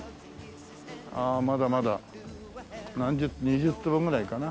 ああまだまだ２０坪ぐらいかな。